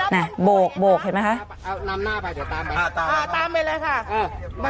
น่ะโบกเห็นไหมคะ